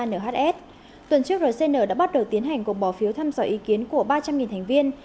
nhs tuần trước rcn đã bắt đầu tiến hành cuộc bỏ phiếu thăm dò ý kiến của ba trăm linh thành viên